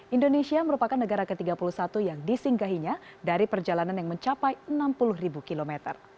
indonesia merupakan negara ke tiga puluh satu yang disinggahinya dari perjalanan yang mencapai enam puluh km